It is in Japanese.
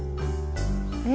え！